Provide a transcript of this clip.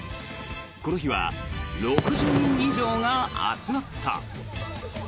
この日は６０人以上が集まった。